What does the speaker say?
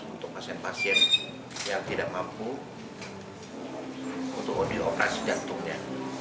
untuk pasien pasien yang tidak mampu untuk hobi operasi jantungnya